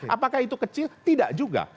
apakah itu kecil tidak juga